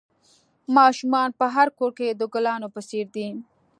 ماشومان په هر کور کې د گلانو په څېر دي.